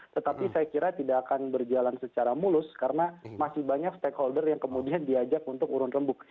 tetapi saya kira tidak akan berjalan secara mulus karena masih banyak stakeholder yang kemudian diajak untuk urun rembuk